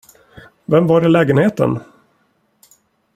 Vem var i lägenheten?